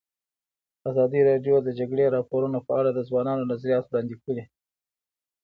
ازادي راډیو د د جګړې راپورونه په اړه د ځوانانو نظریات وړاندې کړي.